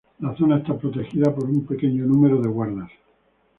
La zona está protegida por un pequeño número de guardas.